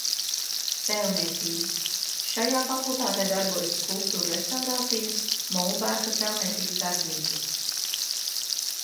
Tēlniecības – šajā fakultātē darbojas skulptūru restaurācijas, molberta tēlniecības darbnīcas.